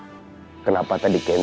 ya kenapa tante bella